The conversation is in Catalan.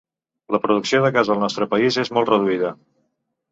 La producció de gas al nostre país és molt reduïda.